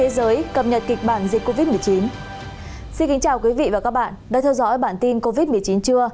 xin kính chào quý vị và các bạn đã theo dõi bản tin covid một mươi chín chưa